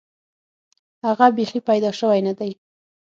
هغه بیخي پیدا شوی نه دی.